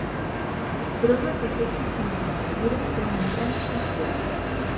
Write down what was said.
Troba que aquesta senyora madura té un encant especial.